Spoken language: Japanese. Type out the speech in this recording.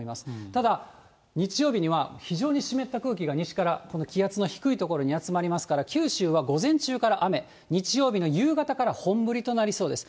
ただ日曜日には非常に湿った空気が西から、この気圧の低い所に集まりますから、九州は午前中から雨、日曜日の夕方から本降りとなりそうです。